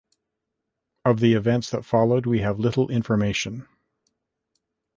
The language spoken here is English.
Of the events that followed we have little information.